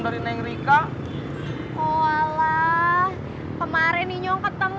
tak ada barang